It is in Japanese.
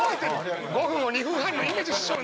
５分を２分半のゆめじ師匠ね。